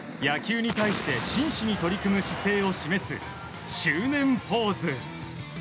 野球に対して真摯に取り組む姿勢を示す執念ポーズ。